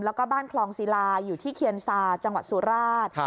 แล้วก็บ้านคลองศิลาอยู่ที่เคียนซาจังหวัดสุราช